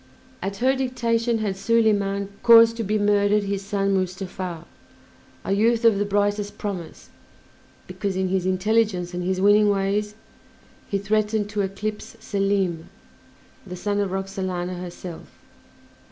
At her dictation had Soliman caused to be murdered his son Mustafa, a youth of the brightest promise, because, in his intelligence and his winning ways he threatened to eclipse Selim, the son of Roxalana herself.